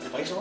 pais lauk ya